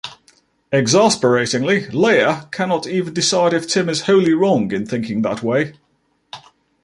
Exasperatingly, Leah cannot even decide if Tim is wholly wrong in thinking that way.